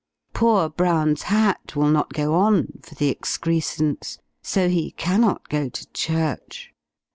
Poor Brown's hat will not go on, for the excrescence, so he cannot go to church.